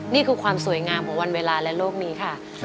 นี่คือความสวยงามของวันเวลาและโลกนี้ค่ะ